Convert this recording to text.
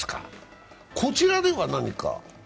こちらでは何か？